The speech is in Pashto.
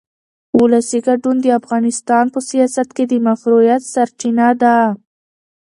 ولسي ګډون د افغانستان په سیاست کې د مشروعیت سرچینه ده